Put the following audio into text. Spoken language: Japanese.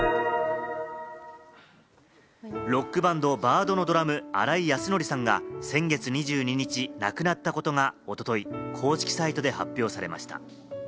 ロックバンド・ＢＡＡＤのドラム・新井康徳さんが、先月２２日亡くなったことがおととい公式サイトで発表されました。